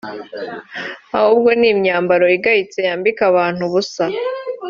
ahubwo ni imyambaro igayitse yambika abantu ubusa